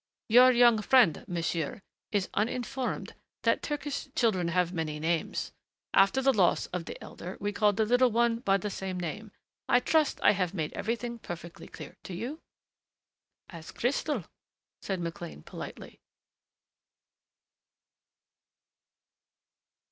"Your young friend, monsieur, is uninformed that Turkish children have many names.... After the loss of the elder we called the little one by the same name.... I trust I have made everything perfectly clear to you?" "As crystal," said McLean politely.